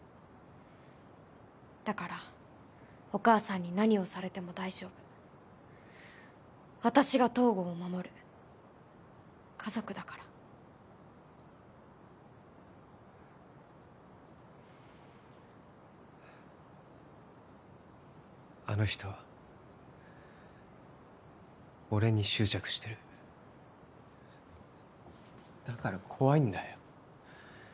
だからお義母さんに何をされても大丈夫私が東郷を守る家族だからあの人は俺に執着してるだから怖いんだよ